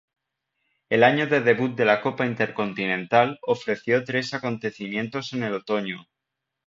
El año de debut de la Copa intercontinental ofreció tres acontecimientos en el otoño.